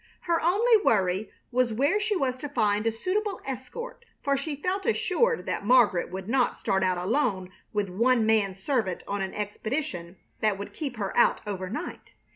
Her only worry was where she was to find a suitable escort, for she felt assured that Margaret would not start out alone with one man servant on an expedition that would keep her out overnight.